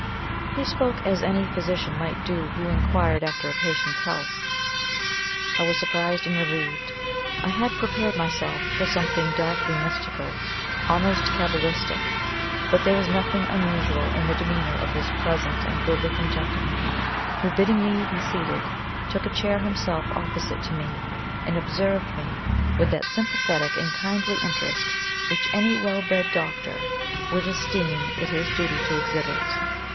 He spoke as any physician might do who inquired after a patient's health. I was surprised and relieved. I had prepared myself for something darkly mystical, almost cabalistic; but there was nothing unusual in the demeanour of this pleasant and good looking gentleman who, bidding me be seated, took a chair himself opposite to me, and observed me with that sympathetic and kindly interest which any well bred doctor would esteem it his duty to exhibit.